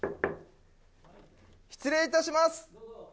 失礼いたします。